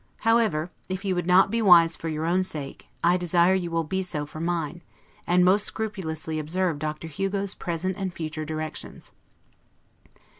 However, if you will not be wise for your own sake, I desire you will be so for mine, and most scrupulously observe Dr. Hugo's present and future directions.